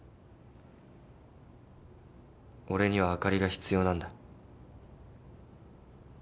俺にはあかりが必要なんだ。